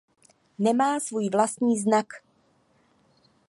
Nemá svůj vlastní znak.